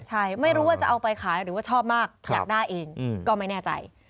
ใช่ไม่รู้ว่าจะเอาไปขายหรือว่าชอบมากอยากได้เองก็ไม่แน่ใจ